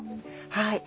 はい。